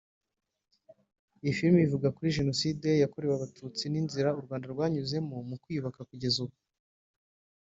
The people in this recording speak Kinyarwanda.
Iyi filime ivuga kuri Jenoside yakorewe Abatutsi n’inzira u Rwanda rwanyuzemo mu kwiyubaka kugeza ubu